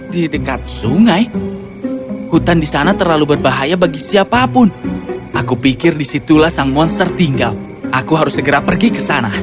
di dekat sungai hutan di sana terlalu berbahaya bagi siapapun aku pikir disitulah sang monster tinggal aku harus segera pergi ke sana